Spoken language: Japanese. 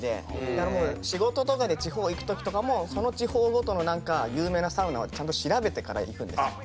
だから仕事とかで地方行く時とかもその地方ごとの何か有名なサウナをちゃんと調べてから行くんですよ。